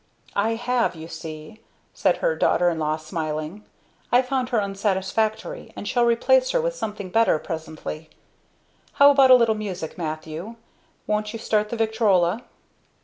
"I have, you see," said her daughter in law smiling. "I found her unsatisfactory and shall replace her with something better presently. How about a little music, Matthew? Won't you start the victrolla?"